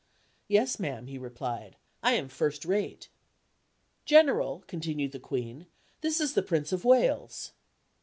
"Yes, ma'am," he replied, "I am first rate." "General," continued the Queen, "this is the Prince of Wales."